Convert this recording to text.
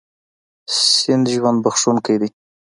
سیند ژوند بښونکی دی.